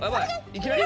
いきなり？